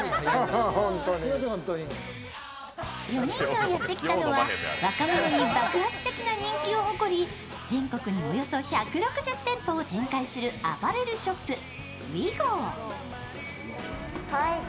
４人がやってきたのは、若者に爆発的な人気を誇り、全国におよそ１６０店舗を展開するアパレルショップＷＥＧＯ。